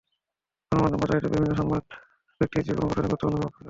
গণমাধ্যমে প্রচারিত বিভিন্ন সংবাদ কিংবা অনুষ্ঠান ব্যক্তির জীবনগঠনে গুরুত্বপূর্ণ প্রভাব ফেলে।